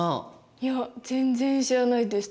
いや全然知らないです。